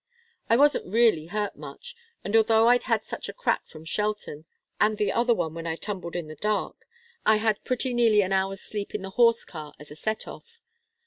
I wasn't really hurt much, and though I'd had such a crack from Shelton, and the other one when I tumbled in the dark, I had pretty nearly an hour's sleep in the horse car as a set off.